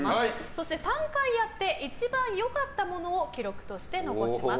そして３回やって一番良かったものを記録として残します。